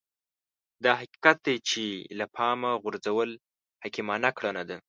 دا حقيقت دی چې له پامه غورځول حکيمانه کړنه ده.